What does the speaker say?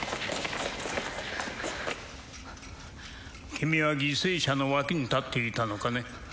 君は犠牲者の脇に立っていたのかね？